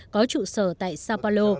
có trụ sở tại sao paulo